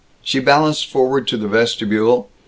She balanced forward to the vestibule.